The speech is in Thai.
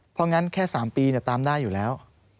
เพราะงั้นแค่๓ปีตามได้อยู่แล้ว